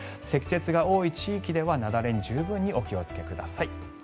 積雪が多い地域では雪崩に十分にお気をつけください。